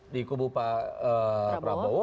di kubu pak prabowo